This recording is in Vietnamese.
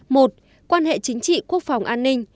một quan hệ chính trị quốc phòng an ninh